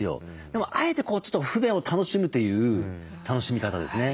でもあえて不便を楽しむという楽しみ方ですね。